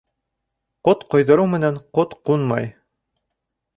Ҡот ҡойҙороу менән ҡот ҡунмай.